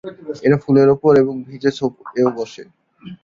এরা ফুলের উপর এবং ভিজে ছোপ এও বসে।